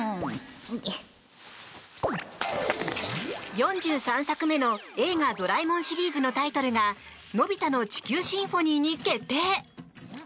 ４３作目の「映画ドラえもん」シリーズのタイトルが「のび太の地球交響楽」に決定！